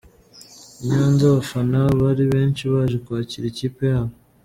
I Nyanza abafana bari benshi baje kwakira ikipe yabo.